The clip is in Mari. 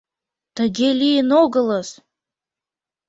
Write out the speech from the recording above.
Тыге лийын огылыс!